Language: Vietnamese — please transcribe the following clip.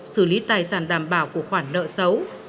xử lý tài sản đảm bảo của khoản nợ xấu